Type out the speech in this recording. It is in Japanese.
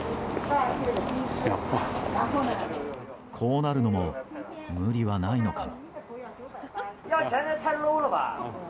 こうなるのも無理はないのかも。